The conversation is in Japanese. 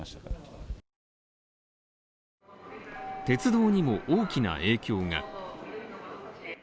鉄道にも大きな影響が。